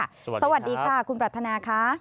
สวัสดีค่ะคุณปรัฐนาค่ะ